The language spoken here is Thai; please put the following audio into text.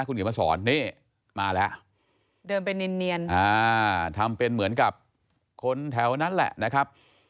คุณเขียนมาสอนนี่มาแล้วเดินไปเนียนทำเป็นเหมือนกับคนแถวนั้นแหละนะครับ